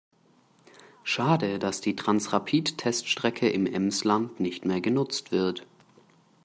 Schade, dass die Transrapid-Teststrecke im Emsland nicht mehr genutzt wird.